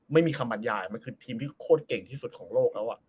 ไม่มีคำบรรยายมันคือทีมที่โคตรเก่งที่สุดของโลกแล้ว